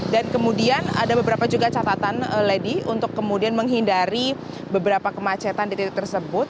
dan kemudian ada beberapa juga catatan ledi untuk kemudian menghindari beberapa kemacetan di titik tersebut